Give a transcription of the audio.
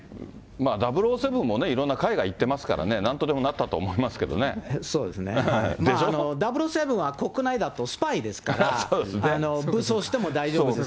００７もいろんな海外行ってますからね、なんとでもなったとそうですね、００７は国内だとスパイですから、武装しても大丈夫です。